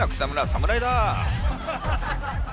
侍だ！